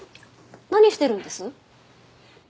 何してるんです？